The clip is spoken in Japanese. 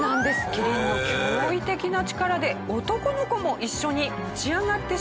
キリンの驚異的な力で男の子も一緒に持ち上がってしまいます。